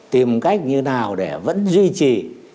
tìm cách như thế nào để vẫn duy trì